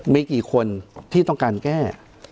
มีกี่คนที่ต้องการแก้